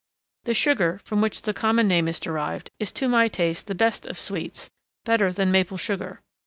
] The sugar, from which the common name is derived, is to my taste the best of sweets—better than maple sugar.